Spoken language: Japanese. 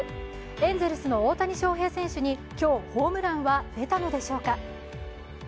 エンゼルスの大谷翔平選手に今日ホームランは出たのでしょうか。